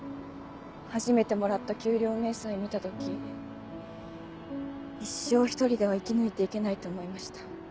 初めてもらった給料明細見た時一生一人では生き抜いていけないと思いました。